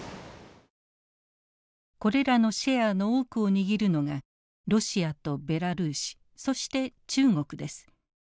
これらのシェアの多くを握るのがロシアとベラルーシそして中国です。